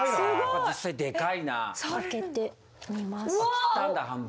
切ったんだ半分。